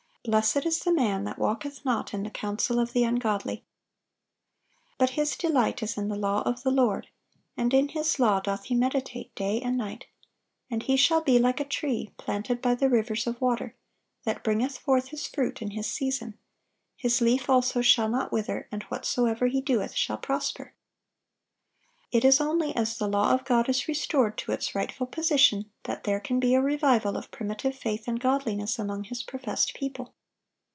(832) "Blessed is the man that walketh not in the counsel of the ungodly.... But his delight is in the law of the Lord; and in His law doth he meditate day and night. And he shall be like a tree planted by the rivers of water, that bringeth forth his fruit in his season; his leaf also shall not wither; and whatsoever he doeth shall prosper."(833) It is only as the law of God is restored to its rightful position that there can be a revival of primitive faith and godliness among His professed people.